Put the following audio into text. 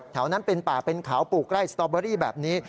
แถวนั้นเป็นป่าเป็นเขาปลูกไร่สตอเบอรี่แบบนี้